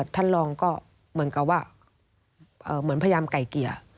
ท่านรองก็เหมือนกับว่าเหมือนพยายามไก่เกลี่ย